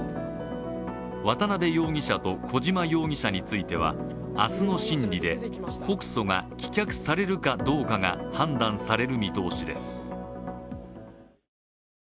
渡辺容疑者と小島容疑者については明日の審理で告訴が棄却されるかどうかが判断される見通しです。